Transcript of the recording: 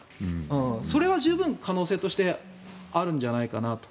それは十分可能性としてあるんじゃないかなと。